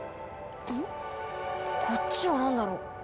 こっちは何だろう？